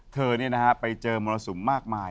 เธอนี่นะครับไปเจอโมนสุมมากมาย